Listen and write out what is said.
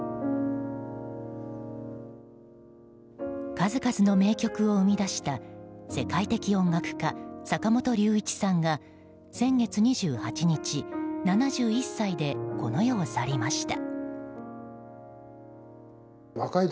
数々の名曲を生み出した世界的音楽家・坂本龍一さんが先月２８日、７１歳でこの世を去りました。